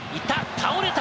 倒れた。